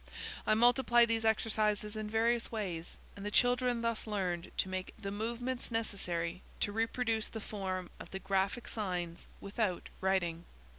I multiplied these exercises in various ways, and the children thus learned to make the movements necessary to reproduce the form of the graphic signs without writing.